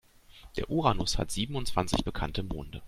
Der Uranus hat siebenundzwanzig bekannte Monde.